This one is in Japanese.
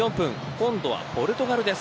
今度はポルトガルです。